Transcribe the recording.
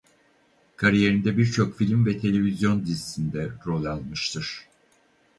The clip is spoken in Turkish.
Kariyerinde birçok film ve televizyon dizisinde rol almıştır.